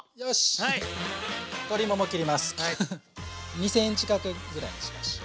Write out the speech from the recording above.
２ｃｍ角ぐらいにしましょう。